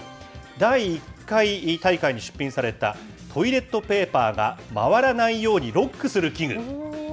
第１回大会に出品された、トイレットペーパーが回らないようにロックする器具。